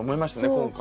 今回。